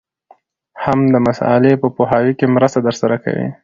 هم د مسألې په پوهاوي کي مرسته درسره کوي.